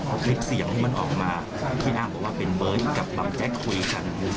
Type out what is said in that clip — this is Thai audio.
ในเสียงที่มันออกมาพี่อ้างบอกว่าเป็นเบิร์ดกับบำแจ๊คคุยกัน